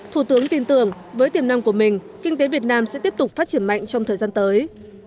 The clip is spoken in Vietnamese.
thủ tướng tin tưởng với tiềm năng của mình kinh tế việt nam sẽ tiếp tục phát triển mạnh trong thời gian tới